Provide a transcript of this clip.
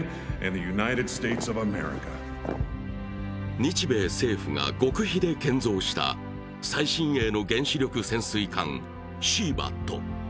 日米政府が極秘で建造した最新鋭の原子力潜水艦「シーバット」。